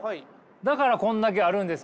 だからこんだけあるんですけど。